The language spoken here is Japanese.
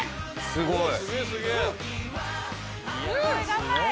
すごい。